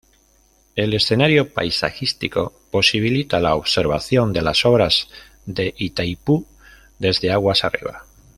El escenario paisajístico posibilita la observación de las obras de Itaipú desde aguas arriba.